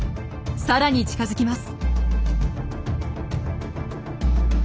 さらに近づきます。